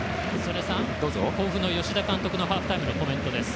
曽根さん、甲府の吉田監督のハーフタイムのコメントです。